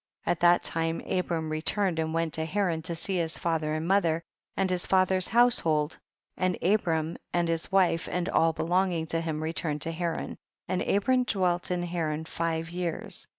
20. At that time Abram returned and went to Haran to see his father and mother, and his father's house hold, and Abram and his wife and all belonging to him returned to Haran, and Abram dwelt in Haran five years.